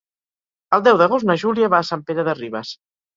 El deu d'agost na Júlia va a Sant Pere de Ribes.